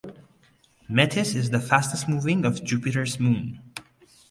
Metis is the fastest-moving of Jupiter's moons.